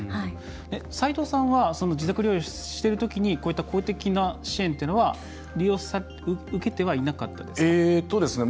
斉藤さんは自宅療養してるときにこういった公的な支援というのは受けてはいなかったですか？